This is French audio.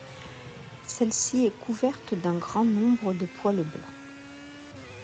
Celle-ci est couverte d'un grand nombre de poils blancs.